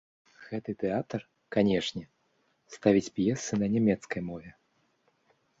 Гэты тэатр, канешне, ставіць п'есы на нямецкай мове.